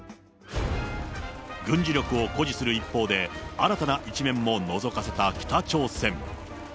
軍事力を誇示する一方で、新たな一面ものぞかせた北朝鮮。